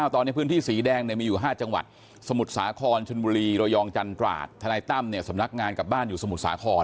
ตอนนี้พื้นที่สีแดงมีอยู่๕จังหวัดสมุทรสาครชนบุรีระยองจันตราดทนายตั้มสำนักงานกลับบ้านอยู่สมุทรสาคร